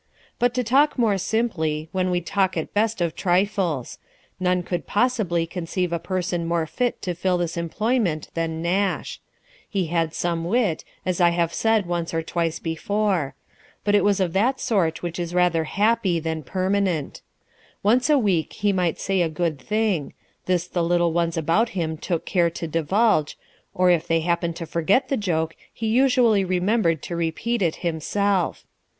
But to talk more simply, when we talk at best of trifles. None could possibly conceive a person more fit to fill this employment than Nash. He had some wit, as I have said once or twice before ; but it was of that sort 2 52 LIFE OF RICHARD NASH. which is rather happy than permanent. Once a week he might say a good thing: this the little ones about him took care to divulge; or if they happened to forget the joke, he usually remembered to repeat it himself.